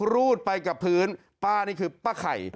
รูดไปกับพื้นป้านี่คือป้าไข่